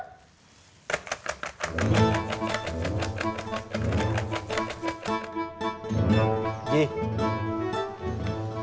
kira kira tetangga siapa ji yang mau jual tipi ya